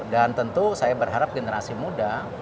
dan tentu saya berharap generasi muda